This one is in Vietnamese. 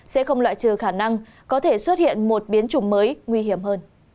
sẽ không loại trừ khả năng có thể xuất hiện một biến chủng mới nguy hiểm hơn